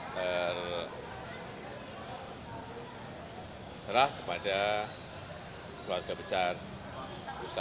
diserah kepada keluarga besar ustadz abu bakar basir